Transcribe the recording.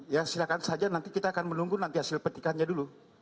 ya silahkan saja nanti kita akan menunggu nanti hasil petikannya dulu